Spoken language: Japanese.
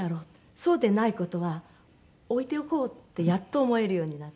そうでない事は置いておこうってやっと思えるようになって。